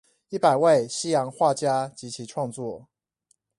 一百位西洋畫家及其創作